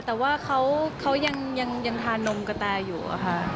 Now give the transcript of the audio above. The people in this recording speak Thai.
แต่ว่าเขายังทานนมกระแตอยู่อะค่ะ